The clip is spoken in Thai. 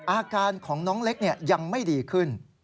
อาการของน้องเล็กยังไม่ดีขึ้น